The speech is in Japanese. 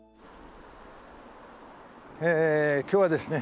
今日はですね